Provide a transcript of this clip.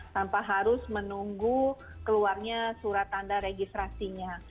tanpa harus menunggu keluarnya surat tanda registrasinya